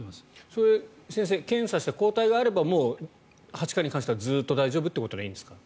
それ、先生検査して抗体があればもうはしかに関してはずっと大丈夫ということでいいんですか？